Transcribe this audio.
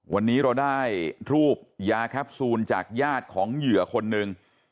วันนี้เราได้รูปยาแคปซูลจากญาติของเหยื่อคนหนึ่ง